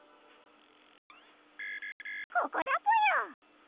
ここだぽよ！